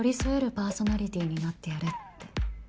パーソナリティーになってやるって。